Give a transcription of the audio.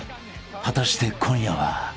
［果たして今夜は？］